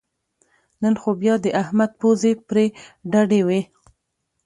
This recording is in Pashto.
نن خو بیا د احمد پوزې پرې ډډې وې